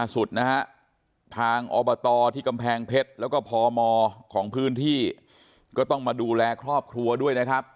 สุดนะฮะทางอบตที่กำแพงเพชรแล้วก็พมของพื้นที่ก็ต้องมาดูแลครอบครัวด้วยนะครับ